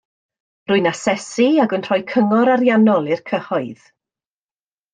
Rwy'n asesu ac yn rhoi cyngor ariannol i'r cyhoedd